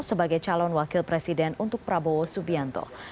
sebagai calon wakil presiden untuk prabowo subianto